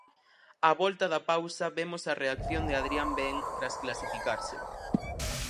Á volta da pausa vemos a reacción de Adrián Ben tras clasificarse.